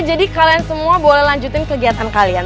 jadi kalian semua boleh lanjutin kegiatan kalian